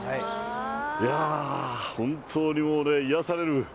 いやー、もう本当にね、癒やされる。